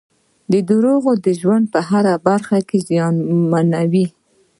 • دروغ د ژوند هره برخه زیانمنوي.